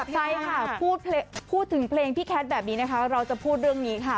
ใช่ค่ะพูดถึงเพลงพี่แคทแบบนี้นะคะเราจะพูดเรื่องนี้ค่ะ